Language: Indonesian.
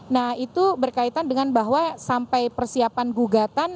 nah itu berkaitan dengan bahwa sampai persiapan gugatan